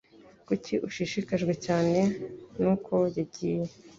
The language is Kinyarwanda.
Kuki ushishikajwe cyane nuko yagiye?